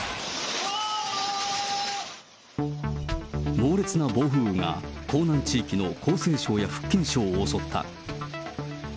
猛烈な暴風雨が江南地域の江西省や福建省を襲った。